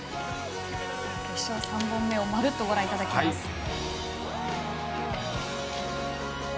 ３本目をまるっとご覧いただきます。